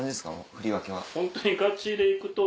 振り分けは。